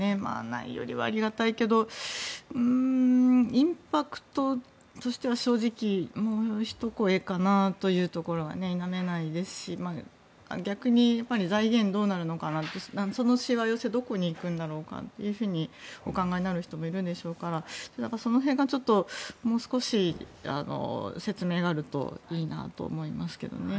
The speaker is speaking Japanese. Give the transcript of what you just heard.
ないよりはありがたいけどインパクトとしては正直、もうひと声かなというところが否めないですし逆に財源、どうなるのかなってそのしわ寄せどこに行くんだろうかとお考えになる人もいるでしょうからその辺がもう少し説明があるといいなと思いますけどね。